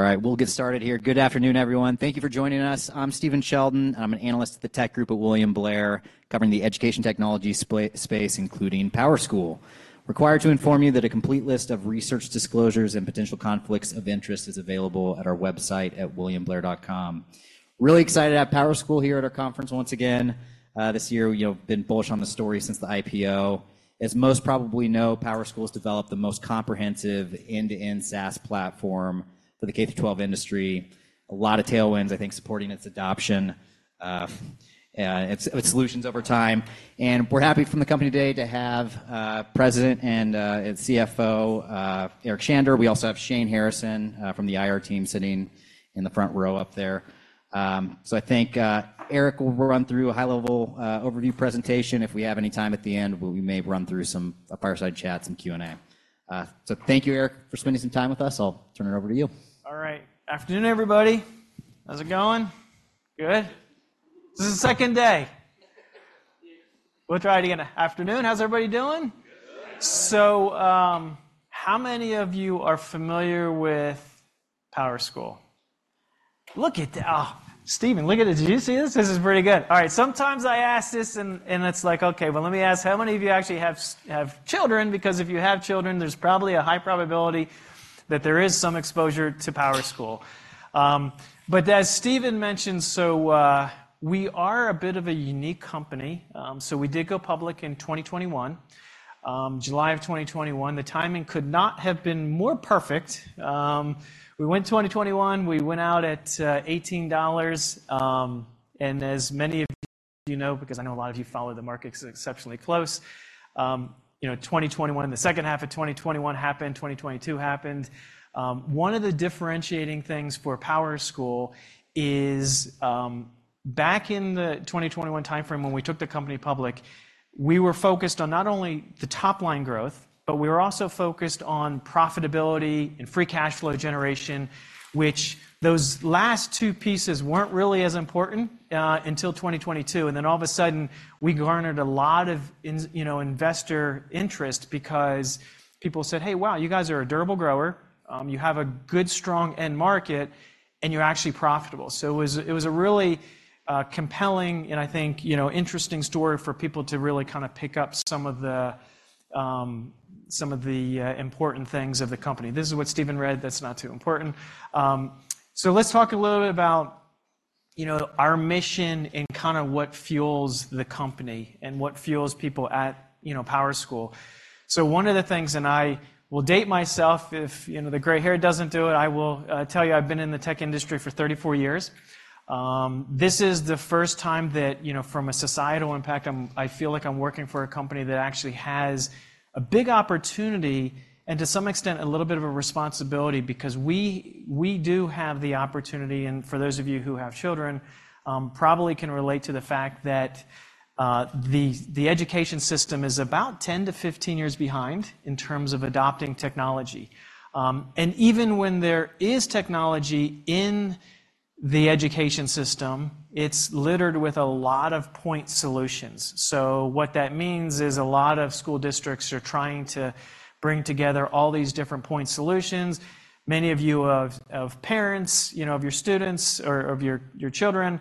All right, we'll get started here. Good afternoon, everyone. Thank you for joining us. I'm Stephen Sheldon, I'm an analyst at the tech group at William Blair, covering the education technology space, including PowerSchool. Required to inform you that a complete list of research disclosures and potential conflicts of interest is available at our website at williamblair.com. Really excited to have PowerSchool here at our conference once again, this year. We've, you know, been bullish on the story since the IPO. As most probably know, PowerSchool's developed the most comprehensive end-to-end SaaS platform for the K-12 industry. A lot of tailwinds, I think, supporting its adoption, its solutions over time. And we're happy from the company today to have President and CFO, Eric Shander. We also have Shane Harrison from the IR team sitting in the front row up there. So I think Eric will run through a high-level overview presentation. If we have any time at the end, we may run through some fireside chats and Q&A. So thank you, Eric, for spending some time with us. I'll turn it over to you. All right. Afternoon, everybody. How's it going? Good. This is the second day. We'll try it again. Afternoon, how's everybody doing? So, how many of you are familiar with PowerSchool? Look at that! Oh, Stephen, look at this. Did you see this? This is pretty good. All right, sometimes I ask this and, and it's like, okay, well, let me ask, how many of you actually have children? Because if you have children, there's probably a high probability that there is some exposure to PowerSchool. But as Stephen mentioned, so, we are a bit of a unique company. So we did go public in 2021, July of 2021. The timing could not have been more perfect. We went 2021, we went out at $18, and as many of you know, because I know a lot of you follow the markets exceptionally close, you know, 2021, and the second half of 2021 happened, 2022 happened. One of the differentiating things for PowerSchool is, back in the 2021 timeframe, when we took the company public, we were focused on not only the top-line growth, but we were also focused on profitability and free cash flow generation, which those last two pieces weren't really as important until 2022, and then all of a sudden, we garnered a lot of, you know, investor interest because people said: "Hey, wow, you guys are a durable grower, you have a good, strong end market, and you're actually profitable." So it was, it was a really, compelling, and I think, you know, interesting story for people to really kind of pick up some of the, some of the, important things of the company. This is what Stephen read. That's not too important. Let's talk a little bit about, you know, our mission and kinda what fuels the company and what fuels people at, you know, PowerSchool. One of the things, and I will date myself, if, you know, the gray hair doesn't do it, I will tell you, I've been in the tech industry for 34 years. This is the first time that, you know, from a societal impact, I feel like I'm working for a company that actually has a big opportunity and to some extent, a little bit of a responsibility because we do have the opportunity, and for those of you who have children, probably can relate to the fact that the education system is about 10-15 years behind in terms of adopting technology. And even when there is technology in the education system, it's littered with a lot of point solutions. So what that means is a lot of school districts are trying to bring together all these different point solutions. Many of you parents, you know, of your students or of your children,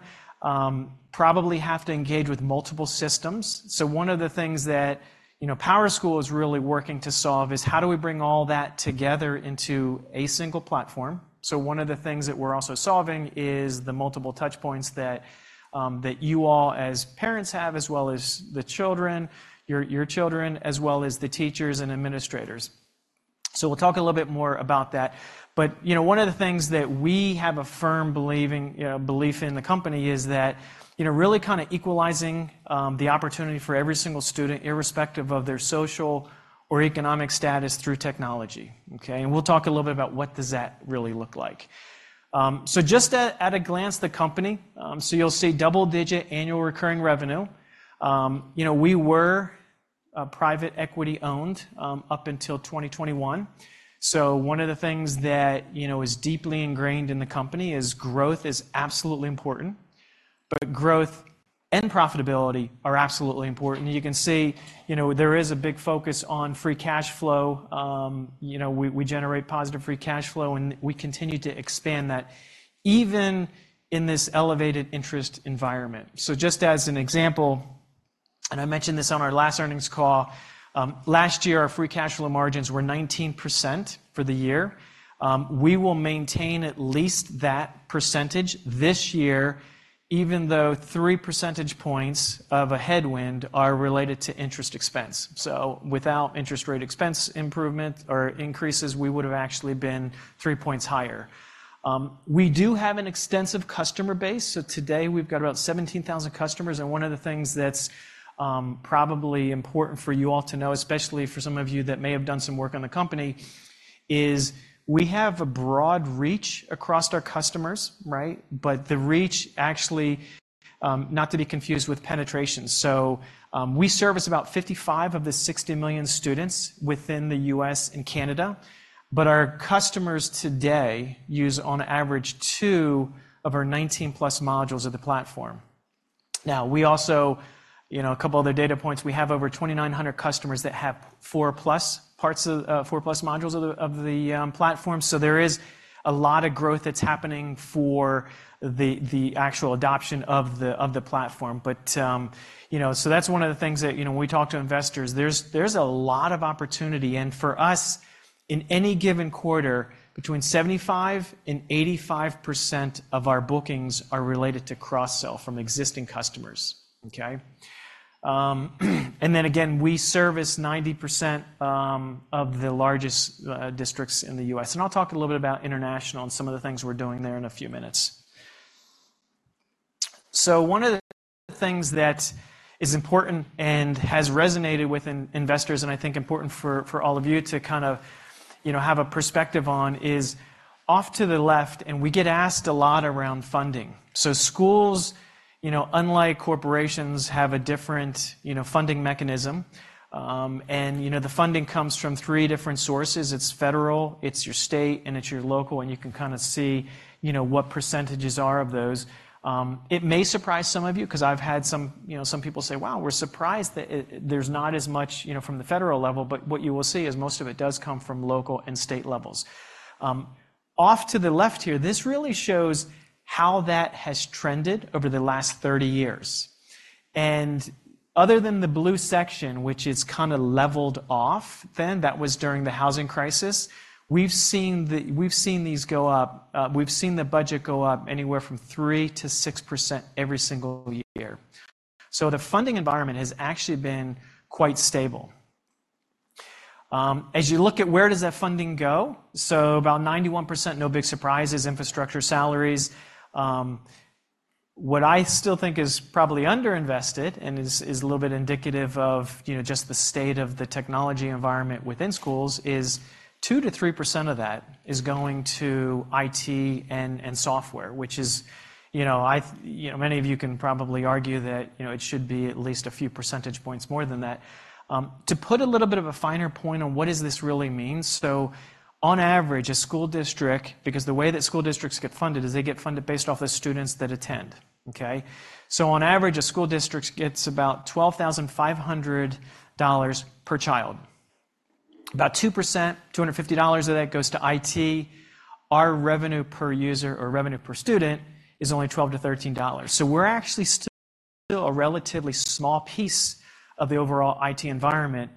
probably have to engage with multiple systems. So one of the things that, you know, PowerSchool is really working to solve is how do we bring all that together into a single platform? So one of the things that we're also solving is the multiple touch points that you all as parents have, as well as the children, your children, as well as the teachers and administrators. So we'll talk a little bit more about that. But, you know, one of the things that we have a firm belief in the company is that, you know, really kind of equalizing the opportunity for every single student, irrespective of their social or economic status through technology, okay? And we'll talk a little bit about what does that really look like. So just at a glance, the company, so you'll see double-digit annual recurring revenue. You know, we were private equity-owned up until 2021. So one of the things that, you know, is deeply ingrained in the company is growth is absolutely important, but growth and profitability are absolutely important. You can see, you know, there is a big focus on free cash flow. You know, we generate positive free cash flow, and we continue to expand that even in this elevated interest environment. Just as an example, and I mentioned this on our last earnings call, last year, our free cash flow margins were 19% for the year. We will maintain at least that percentage this year, even though three percentage points of a headwind are related to interest expense. Without interest rate expense improvement or increases, we would have actually been three points higher. We do have an extensive customer base, so today we've got about 17,000 customers, and one of the things that's, probably important for you all to know, especially for some of you that may have done some work on the company, is we have a broad reach across our customers, right? But the reach actually, not to be confused with penetration. So, we service about 55 of the 60 million students within the US and Canada, but our customers today use on average two of our 19+ modules of the platform. Now, we also, you know, a couple other data points. We have over 2,900 customers that have 4+ parts of 4+ modules of the platform. So there is a lot of growth that's happening for the actual adoption of the platform. But, you know, so that's one of the things that, you know, when we talk to investors, there's a lot of opportunity. And for us, in any given quarter, between 75%-85% of our bookings are related to cross-sell from existing customers, okay? And then again, we service 90% of the largest districts in the US. I'll talk a little bit about international and some of the things we're doing there in a few minutes. One of the things that is important and has resonated with investors, and I think important for all of you to kind of, you know, have a perspective on, is off to the left, and we get asked a lot around funding. Schools, you know, unlike corporations, have a different, you know, funding mechanism. The funding comes from three different sources: it's federal, it's your state, and it's your local, and you can kinda see, you know, what percentages are of those. It may surprise some of you, 'cause I've had some, you know, some people say, "Wow, we're surprised that it, there's not as much, you know, from the federal level." But what you will see is most of it does come from local and state levels. Off to the left here, this really shows how that has trended over the last 30 years. And other than the blue section, which is kinda leveled off, then that was during the housing crisis, we've seen the, we've seen these go up, we've seen the budget go up anywhere from 3%-6% every single year. So the funding environment has actually been quite stable. As you look at where does that funding go, so about 91%, no big surprises, infrastructure, salaries. What I still think is probably underinvested and is a little bit indicative of, you know, just the state of the technology environment within schools is 2%-3% of that is going to IT and software, which is, you know, many of you can probably argue that, you know, it should be at least a few percentage points more than that. To put a little bit of a finer point on what does this really mean? So, on average, a school district, because the way that school districts get funded is they get funded based off the students that attend, okay? So on average, a school district gets about $12,500 per child. About 2%, $250 of that goes to IT. Our revenue per user or revenue per student is only $12-$13. So we're actually still a relatively small piece of the overall IT environment,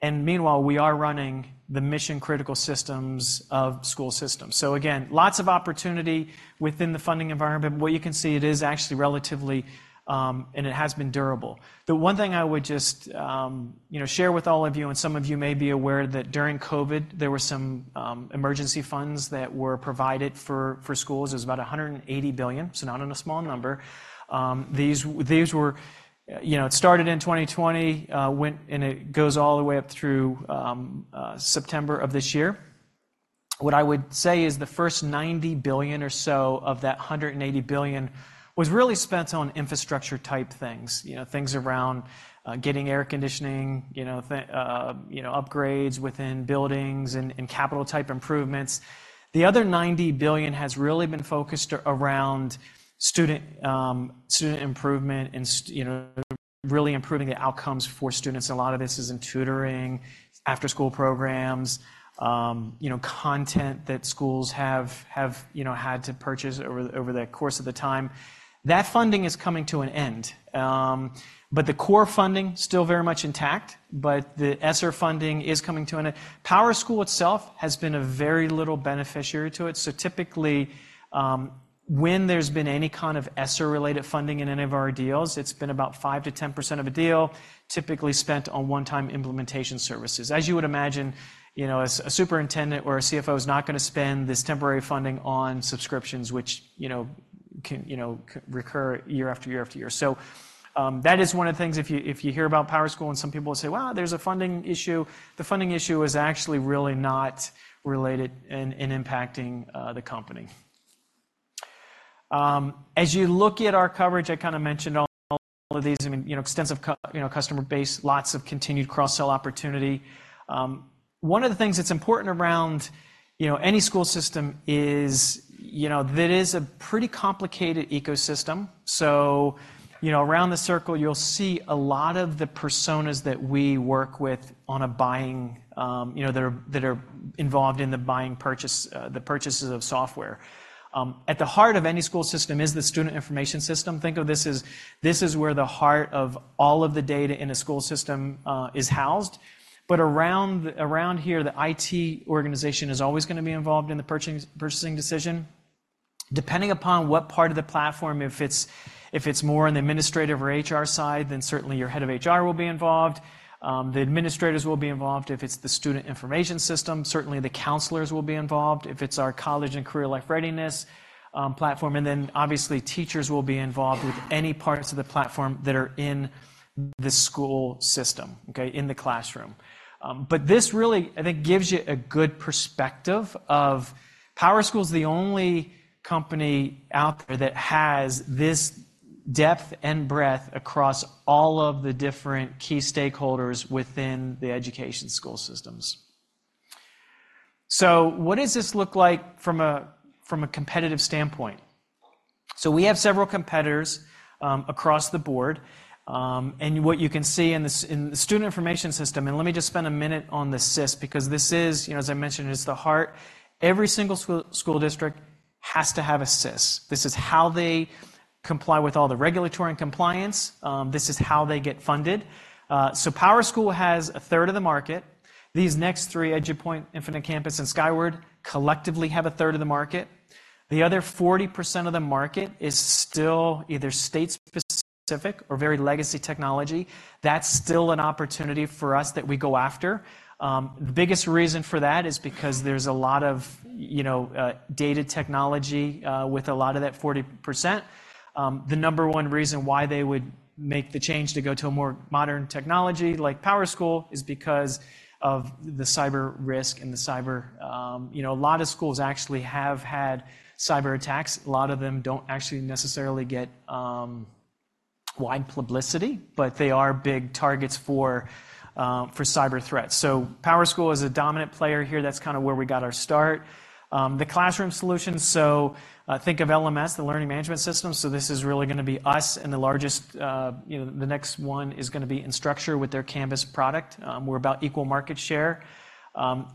and meanwhile, we are running the mission-critical systems of school systems. So again, lots of opportunity within the funding environment, but what you can see, it is actually relatively, and it has been durable. The one thing I would just, you know, share with all of you, and some of you may be aware that during COVID, there were some emergency funds that were provided for schools. It was about $180 billion, so not a small number. These, these were. You know, it started in 2020, went, and it goes all the way up through September of this year. What I would say is the first $90 billion or so of that $180 billion was really spent on infrastructure-type things. You know, things around getting air conditioning, you know, upgrades within buildings and capital-type improvements. The other $90 billion has really been focused around student improvement and you know, really improving the outcomes for students. A lot of this is in tutoring, after-school programs, you know, content that schools have had to purchase over the course of the time. That funding is coming to an end, but the core funding still very much intact, but the ESSER funding is coming to an end. PowerSchool itself has been a very little beneficiary to it, so typically, when there's been any kind of ESSER-related funding in any of our deals, it's been about 5%-10% of a deal, typically spent on one-time implementation services. As you would imagine, you know, as a superintendent or a CFO is not gonna spend this temporary funding on subscriptions, which, you know, can, you know, recur year after year after year. So, that is one of the things if you hear about PowerSchool, and some people will say, "Well, there's a funding issue," the funding issue is actually really not related and impacting, the company. As you look at our coverage, I kinda mentioned all of these, I mean, you know, extensive customer base, lots of continued cross-sell opportunity. One of the things that's important around, you know, any school system is, you know, that it is a pretty complicated ecosystem. So, you know, around the circle, you'll see a lot of the personas that we work with on a buying, you know, that are involved in the buying purchase, the purchases of software. At the heart of any school system is the student information system. Think of this as, this is where the heart of all of the data in a school system is housed. But around here, the IT organization is always gonna be involved in the purchasing decision. Depending upon what part of the platform, if it's more in the administrative or HR side, then certainly your head of HR will be involved. The administrators will be involved if it's the student information system. Certainly, the counselors will be involved if it's our College and Career Life Readiness platform. And then, obviously, teachers will be involved with any parts of the platform that are in the school system, okay, in the classroom. But this really, I think, gives you a good perspective of PowerSchool's the only company out there that has this depth and breadth across all of the different key stakeholders within the education school systems. So what does this look like from a competitive standpoint? So we have several competitors across the board. And what you can see in the student information system, and let me just spend a minute on the SIS, because this is, you know, as I mentioned, it's the heart. Every single school, school district has to have a SIS. This is how they comply with all the regulatory and compliance. This is how they get funded. So PowerSchool has a third of the market. These next three, Edupoint, Infinite Campus, and Skyward, collectively have a third of the market. The other 40% of the market is still either state-specific or very legacy technology. That's still an opportunity for us that we go after. The biggest reason for that is because there's a lot of, you know, data technology, with a lot of that 40%. The number one reason why they would make the change to go to a more modern technology like PowerSchool is because of the cyber risk and the cyber... You know, a lot of schools actually have had cyberattacks. A lot of them don't actually necessarily get wide publicity, but they are big targets for cyber threats. So PowerSchool is a dominant player here. That's kinda where we got our start. The classroom solution, so think of LMS, the learning management system. So this is really gonna be us and the largest, you know, the next one is gonna be Instructure with their Canvas product. We're about equal market share.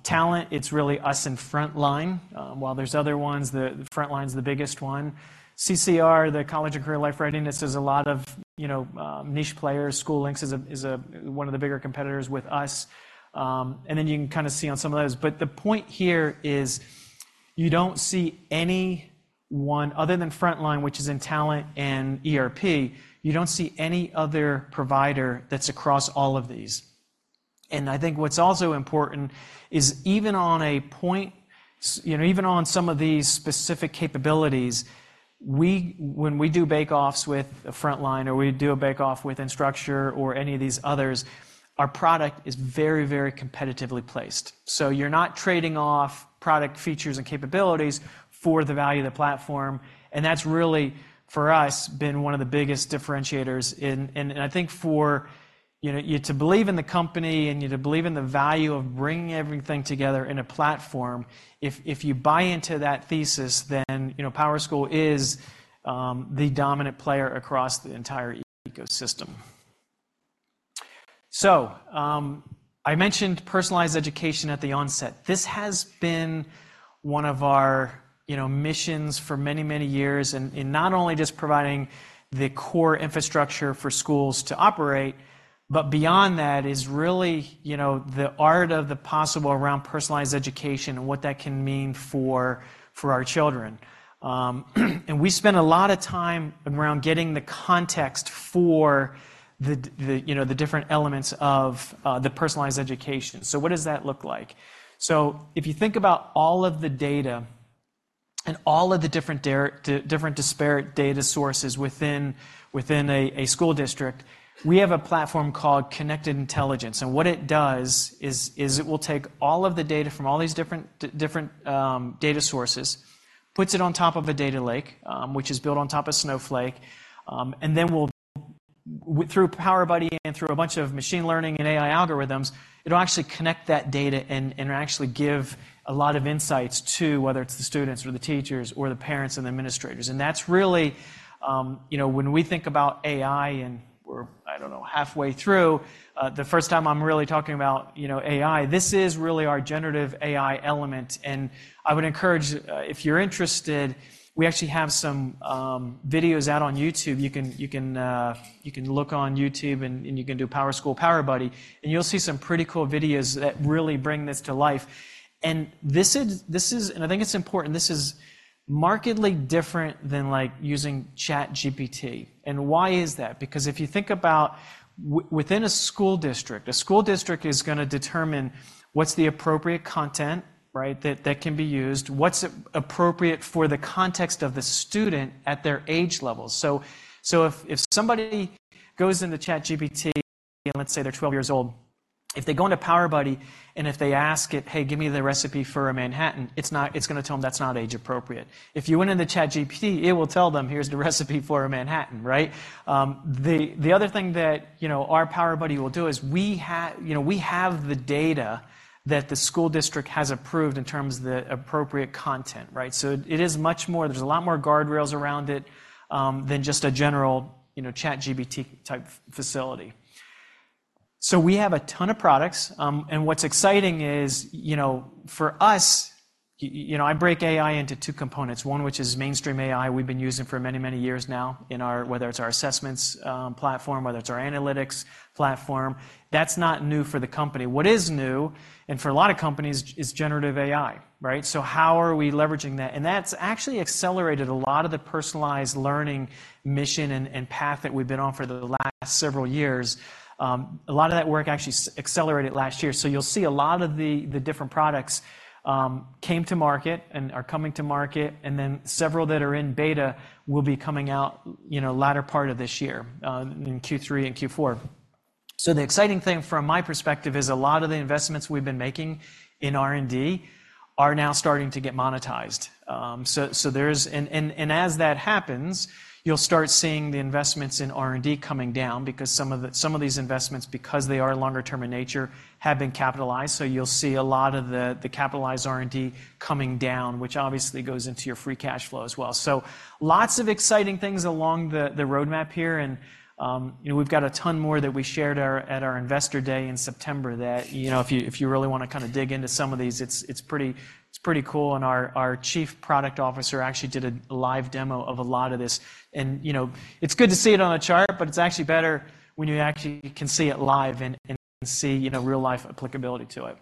Talent, it's really us and Frontline. While there's other ones, the Frontline's the biggest one. CCR, the College and Career Life Readiness, there's a lot of, you know, niche players. SchooLinks is one of the bigger competitors with us. And then you can kinda see on some of those. But the point here is you don't see anyone other than Frontline, which is in Talent and ERP. You don't see any other provider that's across all of these. And I think what's also important is even on points, you know, even on some of these specific capabilities, we, when we do bake-offs with Frontline, or we do a bake-off with Instructure or any of these others, our product is very, very competitively placed. So you're not trading off product features and capabilities for the value of the platform, and that's really, for us, been one of the biggest differentiators, and I think for, you know, you to believe in the company and you to believe in the value of bringing everything together in a platform, if you buy into that thesis, then, you know, PowerSchool is the dominant player across the entire ecosystem. So, I mentioned personalized education at the onset. This has been one of our, you know, missions for many, many years, in, in not only just providing the core infrastructure for schools to operate, but beyond that is really, you know, the art of the possible around personalized education and what that can mean for, for our children. And we spend a lot of time around getting the context for the, the, you know, the different elements of the personalized education. So what does that look like? So if you think about all of the data and all of the different different disparate data sources within, within a, a school district, we have a platform called Connected Intelligence. And what it does is it will take all of the data from all these different data sources, puts it on top of a data lake, which is built on top of Snowflake, and then we'll through PowerBuddy and through a bunch of machine learning and AI algorithms, it'll actually connect that data and actually give a lot of insights to whether it's the students or the teachers or the parents and the administrators. And that's really, you know, when we think about AI, and we're, I don't know, halfway through, the first time I'm really talking about, you know, AI, this is really our generative AI element. And I would encourage, if you're interested, we actually have some videos out on YouTube. You can, you can, you can look on YouTube, and you can do PowerSchool, PowerBuddy, and you'll see some pretty cool videos that really bring this to life. And this is. And I think it's important, this is markedly different than, like, using ChatGPT. And why is that? Because if you think about within a school district, a school district is gonna determine what's the appropriate content, right, that can be used, what's appropriate for the context of the student at their age level. So if somebody goes into ChatGPT, and let's say they're 12 years old, if they go into PowerBuddy, and if they ask it, "Hey, give me the recipe for a Manhattan," it's gonna tell them that's not age-appropriate. If you went into ChatGPT, it will tell them, "Here's the recipe for a Manhattan," right? The other thing that, you know, our PowerBuddy will do is you know, we have the data that the school district has approved in terms of the appropriate content, right? So it is much more... There's a lot more guardrails around it, than just a general, you know, ChatGPT-type facility. So we have a ton of products, and what's exciting is, you know, for us, you know, I break AI into two components. One, which is mainstream AI, we've been using for many, many years now in our, whether it's our assessments, platform, whether it's our analytics platform, that's not new for the company. What is new, and for a lot of companies, is generative AI, right? So how are we leveraging that? And that's actually accelerated a lot of the personalized learning mission and path that we've been on for the last several years. A lot of that work actually accelerated last year. So you'll see a lot of the different products came to market and are coming to market, and then several that are in beta will be coming out, you know, latter part of this year, in Q3 and Q4. So the exciting thing from my perspective is a lot of the investments we've been making in R&D are now starting to get monetized. So there's. And as that happens, you'll start seeing the investments in R&D coming down because some of these investments, because they are longer term in nature, have been capitalized. So you'll see a lot of the capitalized R&D coming down, which obviously goes into your free cash flow as well. So lots of exciting things along the roadmap here, and, you know, we've got a ton more that we shared at our Investor Day in September that, you know, if you really want to kinda dig into some of these, it's pretty cool. And our Chief Product Officer actually did a live demo of a lot of this. And, you know, it's good to see it on a chart, but it's actually better when you actually can see it live and can see, you know, real-life applicability to it.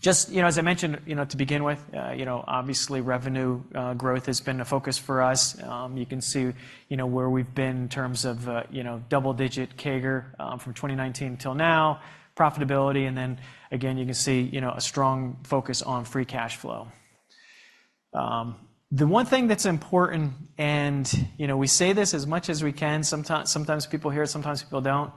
Just, you know, as I mentioned, you know, to begin with, you know, obviously, revenue growth has been a focus for us. You can see, you know, where we've been in terms of, you know, double-digit CAGR, from 2019 till now, profitability, and then again, you can see, you know, a strong focus on free cash flow. The one thing that's important, and, you know, we say this as much as we can, sometimes, sometimes people hear it, sometimes people don't.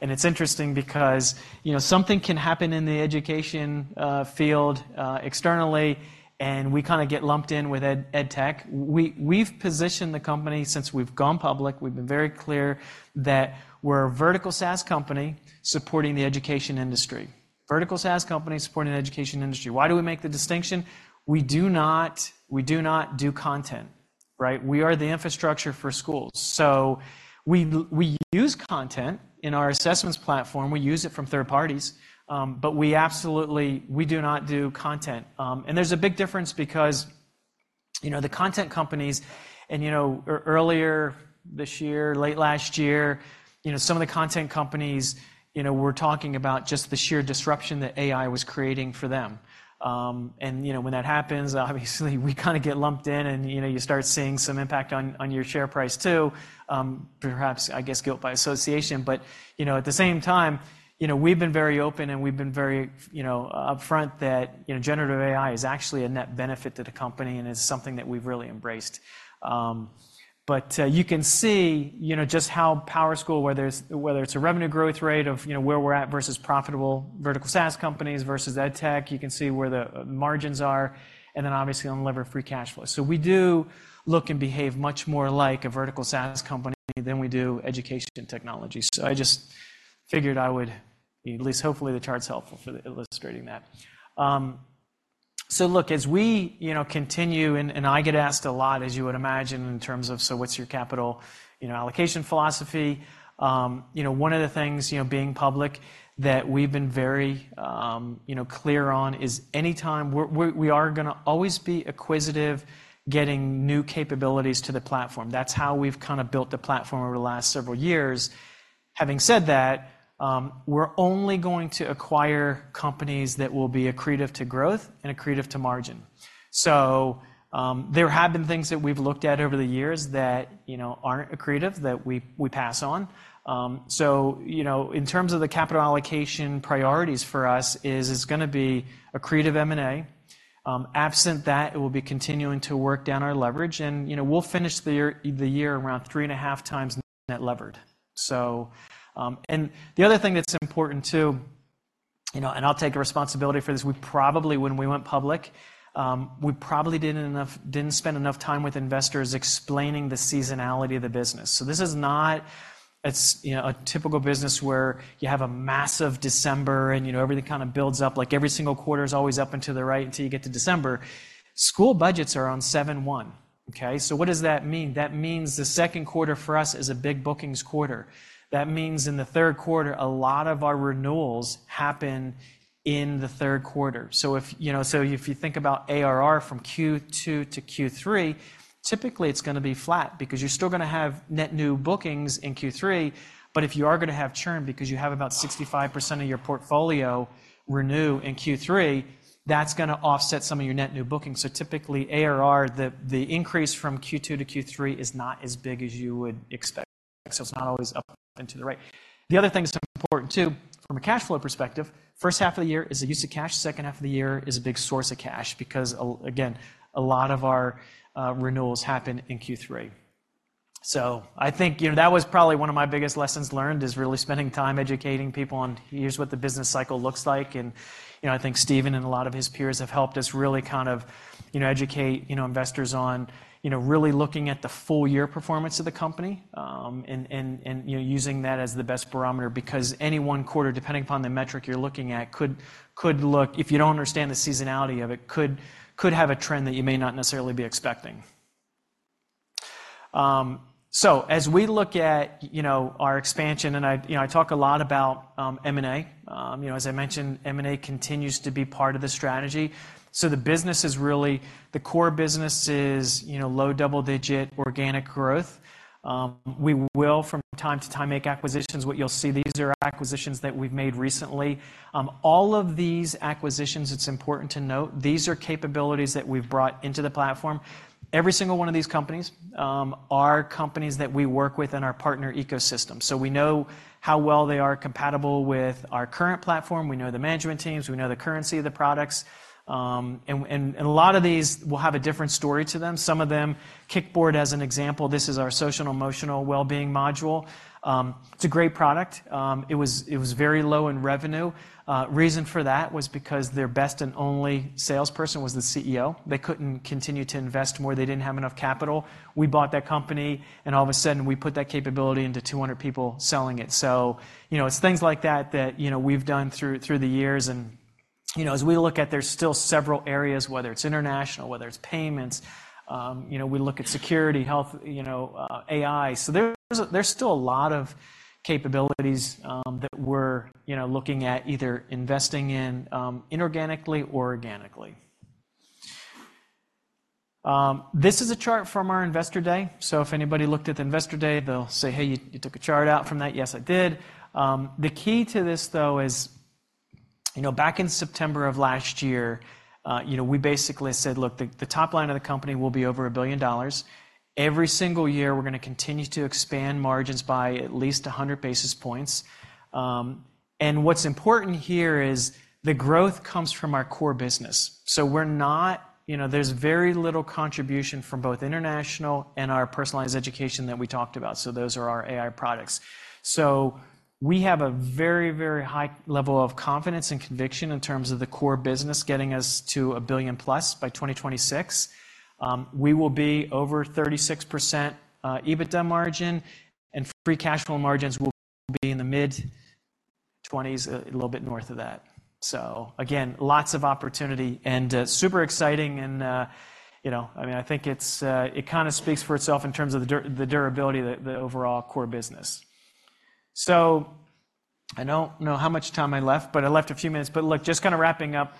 And it's interesting because, you know, something can happen in the education field, externally, and we kinda get lumped in with edtech. We've positioned the company since we've gone public, we've been very clear that we're a vertical SaaS company supporting the education industry. Vertical SaaS company supporting the education industry. Why do we make the distinction? We do not, we do not do content, right? We are the infrastructure for schools. So we use content in our assessments platform. We use it from third parties, but we absolutely, we do not do content. And there's a big difference because, you know, the content companies... And, you know, earlier this year, late last year, you know, some of the content companies, you know, were talking about just the sheer disruption that AI was creating for them. And, you know, when that happens, obviously, we kinda get lumped in, and, you know, you start seeing some impact on, on your share price, too, perhaps, I guess, guilt by association. But, you know, at the same time, you know, we've been very open, and we've been very, you know, upfront that, you know, generative AI is actually a net benefit to the company and is something that we've really embraced. But you can see, you know, just how PowerSchool, whether it's, whether it's a revenue growth rate of, you know, where we're at versus profitable vertical SaaS companies versus edtech, you can see where the margins are, and then obviously, on levered free cash flow. So we do look and behave much more like a vertical SaaS company than we do education technology. So I just figured I would at least, hopefully, the chart's helpful for illustrating that. So look, as we, you know, continue, and I get asked a lot, as you would imagine, in terms of: "So what's your capital, you know, allocation philosophy?" You know, one of the things, you know, being public that we've been very, you know, clear on is anytime, we are gonna always be acquisitive, getting new capabilities to the platform. That's how we've kinda built the platform over the last several years. Having said that, we're only going to acquire companies that will be accretive to growth and accretive to margin. So, there have been things that we've looked at over the years that, you know, aren't accretive, that we pass on. So, you know, in terms of the capital allocation priorities for us is, it's gonna be accretive M&A. Absent that, it will be continuing to work down our leverage and, you know, we'll finish the year around 3.5 times net levered. And the other thing that's important, too, you know, and I'll take responsibility for this, we probably, when we went public, we probably didn't spend enough time with investors explaining the seasonality of the business. So this is not, it's, you know, a typical business where you have a massive December, and, you know, everything kinda builds up. Like, every single quarter is always up and to the right until you get to December. School budgets are on 7/1, okay? So what does that mean? That means the second quarter for us is a big bookings quarter. That means in the third quarter, a lot of our renewals happen in the third quarter. So if, you know, so if you think about ARR from Q2 to Q3, typically it's gonna be flat because you're still gonna have net new bookings in Q3. But if you are gonna have churn because you have about 65% of your portfolio renew in Q3, that's gonna offset some of your net new bookings. So typically, ARR, the increase from Q2 to Q3 is not as big as you would expect. So it's not always up and to the right. The other thing that's important, too, from a cash flow perspective, first half of the year is a use of cash. Second half of the year is a big source of cash because again, a lot of our renewals happen in Q3. So I think, you know, that was probably one of my biggest lessons learned, is really spending time educating people on: Here's what the business cycle looks like. You know, I think Stephen and a lot of his peers have helped us really kind of, you know, educate, you know, investors on, you know, really looking at the full year performance of the company, you know, using that as the best barometer, because any one quarter, depending upon the metric you're looking at, could look. If you don't understand the seasonality of it, could have a trend that you may not necessarily be expecting. So as we look at, you know, our expansion, and I, you know, I talk a lot about M&A. You know, as I mentioned, M&A continues to be part of the strategy. So the business is really the core business is, you know, low double-digit organic growth. We will, from time to time, make acquisitions. What you'll see, these are acquisitions that we've made recently. All of these acquisitions, it's important to note, these are capabilities that we've brought into the platform. Every single one of these companies are companies that we work with in our partner ecosystem. So we know how well they are compatible with our current platform. We know the management teams, we know the currency of the products, and a lot of these will have a different story to them. Some of them, Kickboard, as an example, this is our social and emotional wellbeing module. It's a great product. It was very low in revenue. Reason for that was because their best and only salesperson was the CEO. They couldn't continue to invest more. They didn't have enough capital. We bought that company, and all of a sudden, we put that capability into 200 people selling it. So, you know, it's things like that that, you know, we've done through the years, and, you know, as we look at, there's still several areas, whether it's international, whether it's payments, you know, we look at security, health, you know, AI. So there's still a lot of capabilities that we're, you know, looking at either investing in inorganically or organically. This is a chart from our Investor Day. So if anybody looked at the Investor Day, they'll say: "Hey, you took a chart out from that." Yes, I did. The key to this, though, is, you know, back in September of last year, you know, we basically said, "Look, the top line of the company will be over $1 billion. Every single year, we're gonna continue to expand margins by at least 100 basis points." And what's important here is the growth comes from our core business. So we're not... You know, there's very little contribution from both international and our personalized education that we talked about. So those are our AI products. So we have a very, very high level of confidence and conviction in terms of the core business getting us to $1 billion-plus by 2026. We will be over 36%, EBITDA margin, and free cash flow margins will be in the mid-20s, a little bit north of that. So again, lots of opportunity and, super exciting and, you know, I mean, I think it's, it kinda speaks for itself in terms of the durability of the overall core business. So I don't know how much time I left, but I left a few minutes. But look, just kinda wrapping up,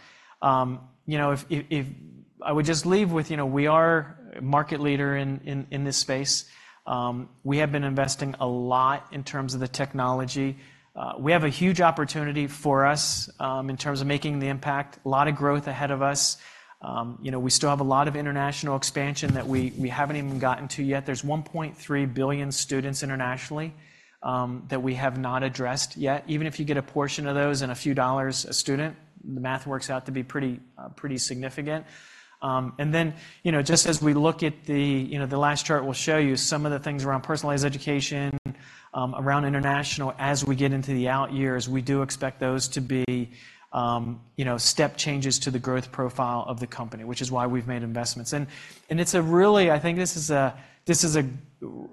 you know, if I would just leave with, you know, we are a market leader in this space. We have been investing a lot in terms of the technology. We have a huge opportunity for us, in terms of making the impact, a lot of growth ahead of us. You know, we still have a lot of international expansion that we haven't even gotten to yet. There's 1.3 billion students internationally, that we have not addressed yet. Even if you get a portion of those and a few dollars a student, the math works out to be pretty, pretty significant. And then, you know, just as we look at the, you know, the last chart will show you some of the things around personalized education, around international. As we get into the out years, we do expect those to be, you know, step changes to the growth profile of the company, which is why we've made investments. And, and it's a really... I think this is a, this is a,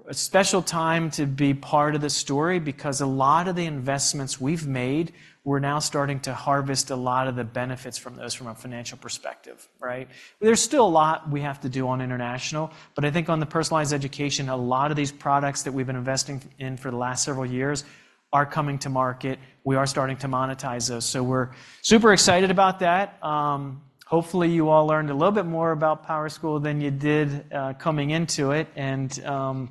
a special time to be part of the story because a lot of the investments we've made, we're now starting to harvest a lot of the benefits from those from a financial perspective, right? There's still a lot we have to do on international, but I think on the personalized education, a lot of these products that we've been investing in for the last several years are coming to market. We are starting to monetize those, so we're super excited about that. Hopefully, you all learned a little bit more about PowerSchool than you did coming into it. And,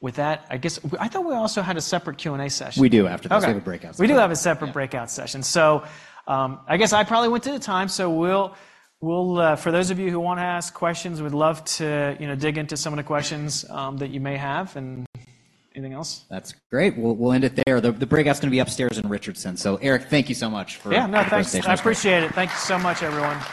with that, I guess... I thought we also had a separate Q&A session. We do after this. Okay. We have a breakout session. We do have a separate breakout session. Yeah. So, I guess I probably went through the time, so we'll, for those of you who want to ask questions, we'd love to, you know, dig into some of the questions that you may have. And anything else? That's great. We'll end it there. The breakout's gonna be upstairs in Richardson. So, Eric, thank you so much for- Yeah, no, thanks.... the presentation. I appreciate it. Thank you so much, everyone.